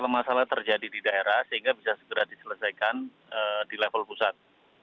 masalah terjadi di daerah sehingga bisa segera diselesaikan di level pusat